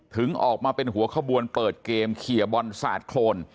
ออกมาเป็นหัวขบวนเปิดเกมเคลียร์บอลสาดโครน